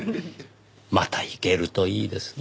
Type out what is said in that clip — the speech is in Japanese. また行けるといいですね。